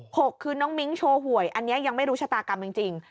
กคือน้องมิ้งโชว์หวยอันนี้ยังไม่รู้ชะตากรรมจริงจริง